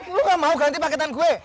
lu gak mau ganti paketan gue